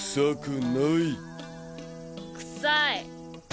臭くない！